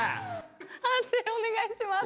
判定お願いします。